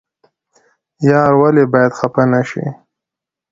یار ولې باید خفه نشي؟